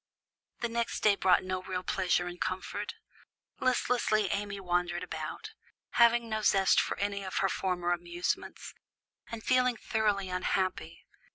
The next day brought no real pleasure and comfort. Listlessly Amy wandered about, having no zest for any of her former amusements, and feeling thoroughly unhappy.